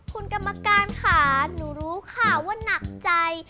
คุณกรรมการค่ะหนูรู้ค่ะว่านักใจ